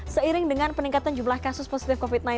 seiring dengan peningkatan jumlah kasus positif covid sembilan belas